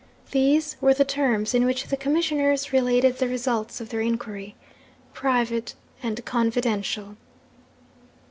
These were the terms in which the Commissioners related the results of their inquiry: 'Private and confidential.